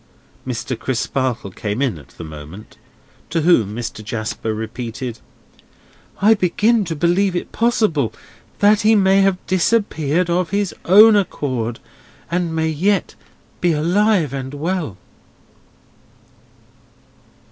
Mr. Crisparkle came in at the moment. To whom Mr. Jasper repeated: "I begin to believe it possible that he may have disappeared of his own accord, and may yet be alive and well."